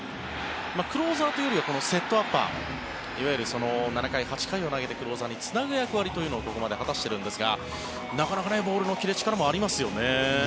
クローザーというよりはセットアッパーいわゆる７回、８回を投げてクローザーにつなぐ役割というのをここまで果たしているんですがなかなかボールのキレ力もありますよね。